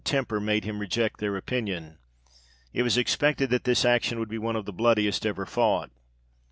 temper made him reject their opinion : it was expected, that this action would be one of the bloodiest ever fought.